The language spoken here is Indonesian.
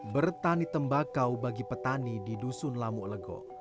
bertani tembakau bagi petani di dusun lamu legok